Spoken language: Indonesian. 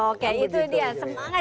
oke itu dia